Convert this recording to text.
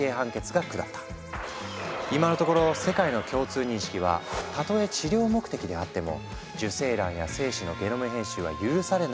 今のところ世界の共通認識は「たとえ治療目的であっても受精卵や精子のゲノム編集は許されない」というもの。